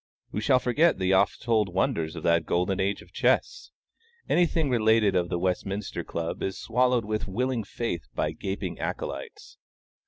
Who shall forget the oft told wonders of that golden age of chess? Any thing related of the Westminster Club is swallowed with willing faith by gaping acolytes.